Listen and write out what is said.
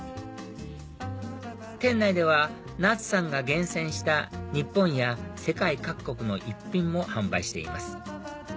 店内ではｎａｔｓさんが厳選した日本や世界各国の一品も販売しています